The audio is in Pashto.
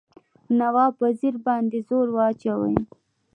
نواب وزیر باندي زور واچوي.